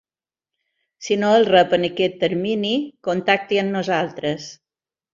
Si no el rep en aquest termini contacti amb nosaltres.